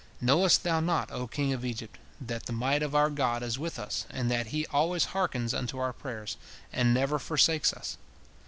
"Knowest thou not, O king of Egypt, that the might of our God is with us, and that He always hearkens unto our prayers, and never forsakes us?